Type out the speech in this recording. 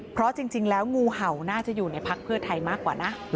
เพราะจริงแล้วงูเห่าน่าจะอยู่ในพักเพื่อไทยมากกว่านะ